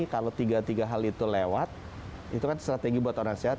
kalau tiga tiga hal itu lewat itu kan strategi buat orang sehat